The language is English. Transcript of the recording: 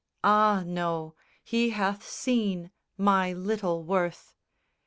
Ah no, he hath seen My little worth."